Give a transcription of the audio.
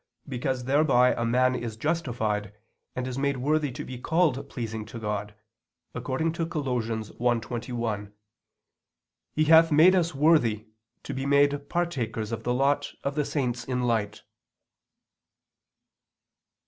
because thereby a man is justified, and is made worthy to be called pleasing to God, according to Col. 1:21: "He hath made us worthy to be made partakers of the lot of the saints in light."